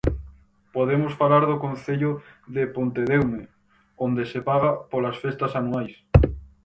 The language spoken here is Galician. Podemos falar do Concello de Pontedeume, onde se paga polas festas anuais.